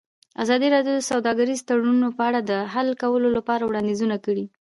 ازادي راډیو د سوداګریز تړونونه په اړه د حل کولو لپاره وړاندیزونه کړي.